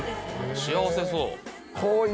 幸せそう。